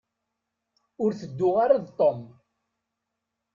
Ur tedduɣ ara d Tom.